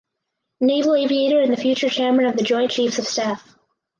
Naval Aviator and the future Chairman of the Joint Chiefs of Staff.